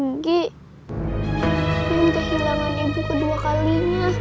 mungkin kehilangan ibu kedua kalinya